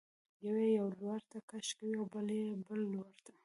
یو یې یو لورته کش کوي او بل یې بل لورته.